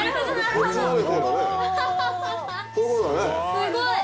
すごい。